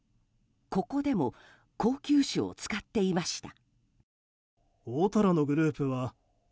ここでも高級酒を使っていました。